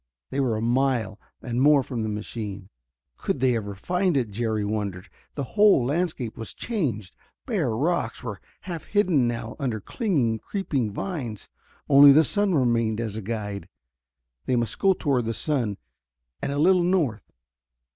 They were a mile and more from the machine. Could they ever find it, Jerry wondered. The whole landscape was changed; bare rocks were half hidden now under clinging, creeping vines. Only the sun remained as a guide. They must go toward the sun and a little north.